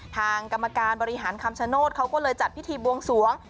ทางกรรมการบริหารคำชโนธเขาก็เลยจัดพิธีบวงสวง